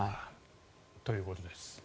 ということです。